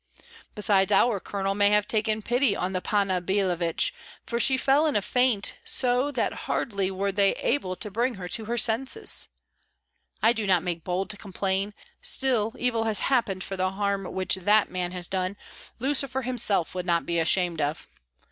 Besides, our colonel may have taken pity on the tears of Panna Billevich, for she fell in a faint so that hardly were they able to bring her to her senses. I do not make bold to complain; still evil has happened, for the harm which that man has done, Lucifer himself would not be ashamed of.